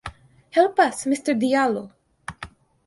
Help us Mister Diallo!